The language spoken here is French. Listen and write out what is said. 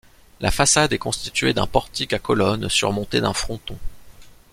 La façade est constituée d'un portique à colonnes surmonté d'un fronton.